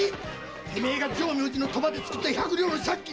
てめえが浄明寺の賭場でつくった百両の借金